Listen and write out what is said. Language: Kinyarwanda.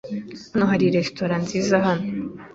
Hano hari resitora nziza hano?